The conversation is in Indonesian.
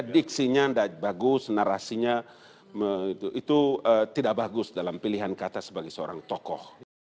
diksinya bagus narasinya itu tidak bagus dalam pilihan kata sebagai seorang tokoh